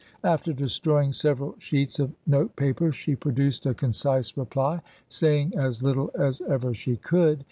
After destroying several sheets of note paper she produced a concise reply, saying as little as ever she could.